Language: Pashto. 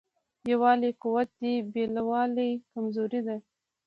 یووالی قوت دی بېلوالی کمزوري ده.